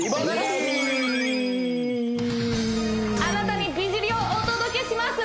あなたに美尻をお届けします